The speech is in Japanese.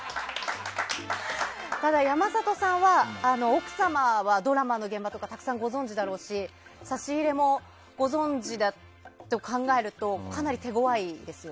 ただ、山里さんは奥様はドラマの現場とかたくさんご存じだろうし差し入れもご存じだと考えるとかなり手ごわいですよ。